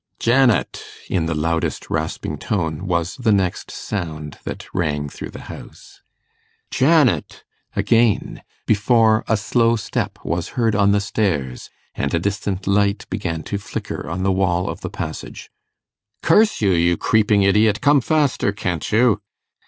'Janet!' in the loudest rasping tone, was the next sound that rang through the house. 'Janet!' again before a slow step was heard on the stairs, and a distant light began to flicker on the wall of the passage. 'Curse you! you creeping idiot! Come faster, can't you?